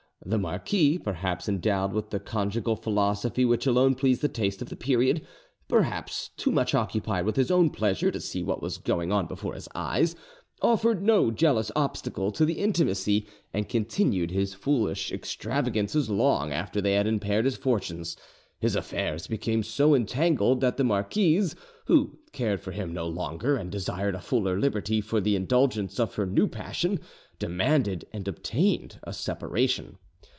The marquis, perhaps endowed with the conjugal philosophy which alone pleased the taste of the period, perhaps too much occupied with his own pleasure to see what was going on before his eyes, offered no jealous obstacle to the intimacy, and continued his foolish extravagances long after they had impaired his fortunes: his affairs became so entangled that the marquise, who cared for him no longer, and desired a fuller liberty for the indulgence of her new passion, demanded and obtained a separation.